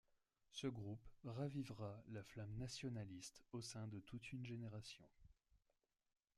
Ce groupe ravivera la flamme nationaliste au sein de toute une génération.